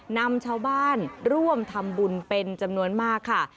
นำชาวบ้านร่วมทำบุญเป็นจำนวนมากค่ะ